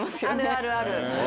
あるある。